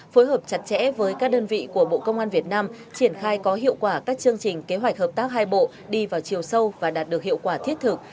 phối hợp chặt chẽ với các đơn vị của bộ công an việt nam triển khai có hiệu quả các chương trình kế hoạch hợp tác hai bộ đi vào chiều sâu và đạt được hiệu quả thiết thực